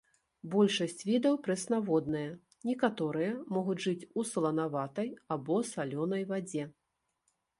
Большасць відаў прэснаводныя, некаторыя могуць жыць у саланаватай або салёнай вадзе.